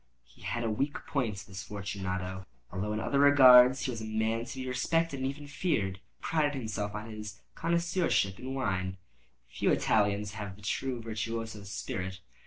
He had a weak point—this Fortunato—although in other regards he was a man to be respected and even feared. He prided himself on his connoisseurship in wine. Few Italians have the true virtuoso spirit.